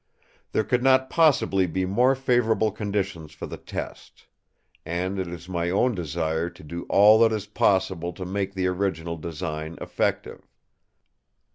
There could not possibly be more favourable conditions for the test; and it is my own desire to do all that is possible to make the original design effective.